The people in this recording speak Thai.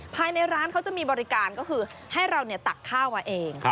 ภายในร้านเขาจะมีบริการก็คือให้เราตักข้าวมาเอง